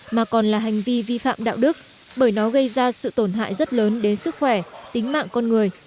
mà còn là hành vi vi phạm đạo đức bởi nó gây ra sự tổn hại rất lớn đến sức khỏe tính mạng con người